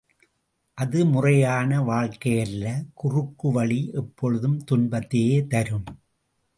அது முறையான வாழ்க்கையல்ல, குறுக்கு வழி எப்பொழுதும் துன்பத்தையே தரும்.